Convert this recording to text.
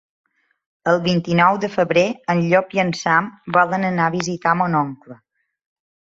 El vint-i-nou de febrer en Llop i en Sam volen anar a visitar mon oncle.